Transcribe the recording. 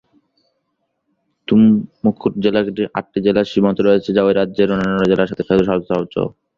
তুমকুর জেলাটির সাথে আটটি জেলার সীমান্ত রয়েছে, যা ওই রাজ্যের অন্যান্য জেলার ক্ষেত্রে সর্বোচ্চ।